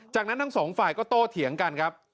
จากนั้นทั้งสองฝ่ายก็โตเถียงกันครับ